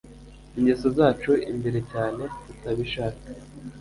ingeso zacu imbere cyane tutabishaka